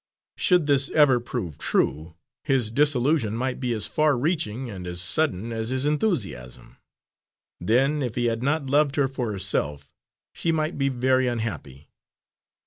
Should this ever prove true, his disillusion might be as far reaching and as sudden as his enthusiasm. Then, if he had not loved her for herself, she might be very unhappy.